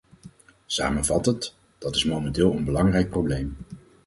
Samenvattend: dat is momenteel een belangrijk probleem.